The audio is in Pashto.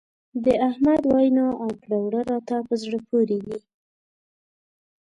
د احمد وينا او کړه راته په زړه پورې دي.